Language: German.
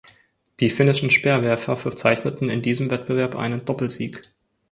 Die finnischen Speerwerfer verzeichneten in diesem Wettbewerb einen Doppelsieg.